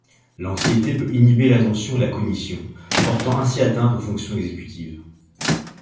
L'anxiété peut inhiber l'attention et la cognition, portant ainsi atteinte aux fonctions exécutives.